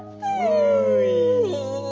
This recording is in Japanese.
うい！